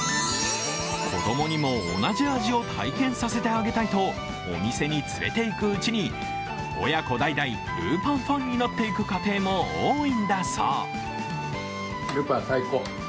子供にも同じ味を体験させてあげたいとお店に連れていくうちに親子代々、るーぱんファンになっていく家庭も多いんだそう。